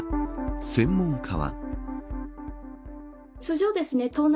専門家は。